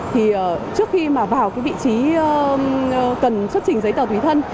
thì trước khi mà vào cái vị trí cần xuất trình giấy tờ tùy thân